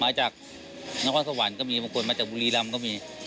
มาจากนครสวรรค์ก็มีบางคนมาจากบุรีรำก็มี